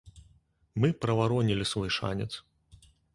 Мы праваронілі свой шанец.